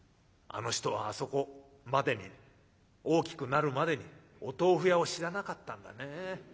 あの人はあそこまでに大きくなるまでにお豆腐屋を知らなかったんだね。